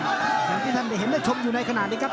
อย่างที่ท่านได้เห็นได้ชมอยู่ในขณะนี้ครับ